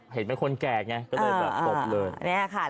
เห็นเป็นคนแก่ไงก็เลยแบบตบเลย